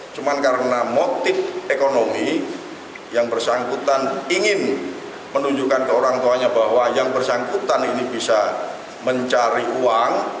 cuma karena motif ekonomi yang bersangkutan ingin menunjukkan ke orang tuanya bahwa yang bersangkutan ini bisa mencari uang